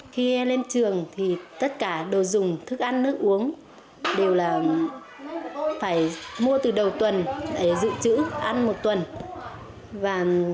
khi lên trường thì tất cả đồ dùng thức ăn nước uống đều là phải mua từ đầu tuần để dự trữ ăn một tuần